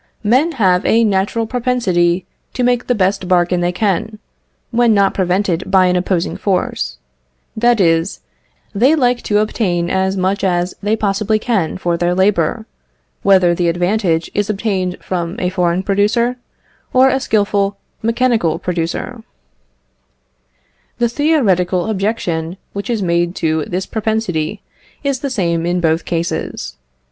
Men have a natural propensity to make the best bargain they can, when not prevented by an opposing force; that is, they like to obtain as much as they possibly can for their labour, whether the advantage is obtained from a foreign producer or a skilful mechanical producer. The theoretical objection which is made to this propensity is the same in both cases.